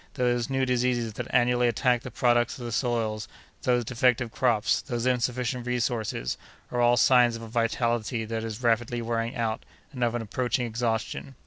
Those new diseases that annually attack the products of the soil, those defective crops, those insufficient resources, are all signs of a vitality that is rapidly wearing out and of an approaching exhaustion.